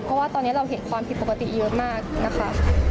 เพราะว่าตอนนี้เราเห็นความผิดปกติเยอะมากนะคะ